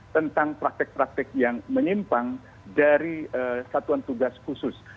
tentang praktek praktek yang menyimpang dari satuan tugas khusus